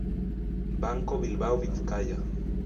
Banco Bilbao Vizcaya.